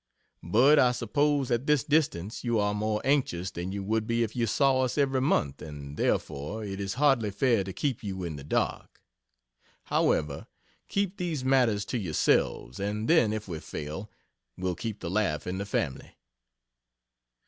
But I suppose at this distance you are more anxious than you would be if you saw us every month and therefore it is hardly fair to keep you in the dark. However, keep these matters to yourselves, and then if we fail, we'll keep the laugh in the family.